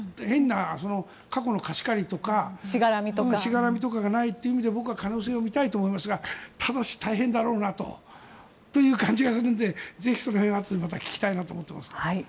変な過去の貸し借りとかしがらみとかがないという意味で僕は可能性を見たいと思いますがただし大変だろうという感じがするのでぜひその辺はあとでまた聞きたいと思います。